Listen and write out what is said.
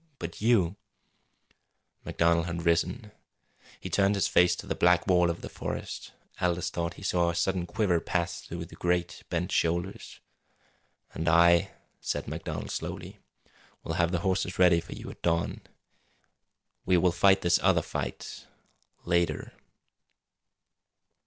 But you " MacDonald had risen. He turned his face to the black wall of the forest. Aldous thought he saw a sudden quiver pass through the great, bent shoulders. "And I," said MacDonald slowly, "will have the horses ready for you at dawn. We will fight this other fight later."